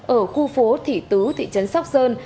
ở khu phố thỷ tứ thị trấn sóc sơn